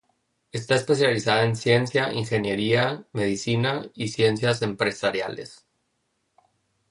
Está especializada en ciencia, ingeniería, medicina y ciencias empresariales.